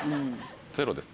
ゼロです